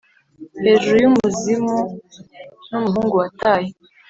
hejuru yumuzimu numuhungu wataye